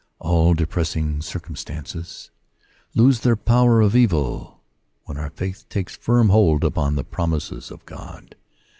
All depressing circumstances lose their power for evil when our faith takes firm hold upon the promises of God.